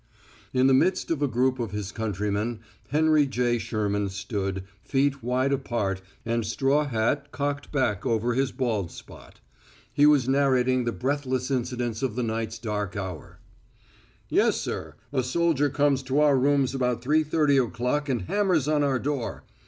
In the midst of a group of his countrymen Henry J. Sherman stood, feet wide apart and straw hat cocked back over his bald spot. He was narrating the breathless incidents of the night's dark hour: "Yes, sir, a soldier comes to our rooms about three thirty o'clock and hammers on our door.